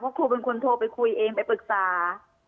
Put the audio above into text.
ครูเป็นคนโทรไปคุยเองไปปรึกษา